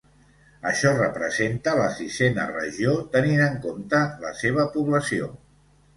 Això representa la sisena regió tenint en compte la seva població.